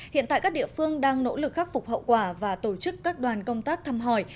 hiện tại các địa phương đang nỗ lực khắc phục hậu quả và tổ chức các đoàn công tác thăm hỏi